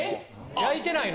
焼いてないの？